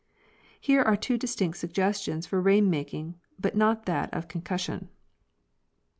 * Here are two distinct suggestions for rain making, but not that of concussion.